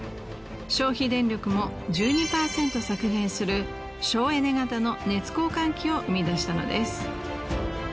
消費電力も１２％削減する省エネ型の熱交換器を生み出したのです。